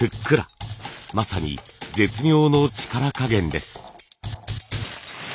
まさに絶妙の力加減です。